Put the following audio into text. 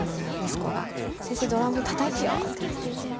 息子が「先生ドラムたたいてよ！」って言って。